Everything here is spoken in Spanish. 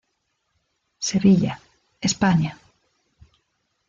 Sevilla, España.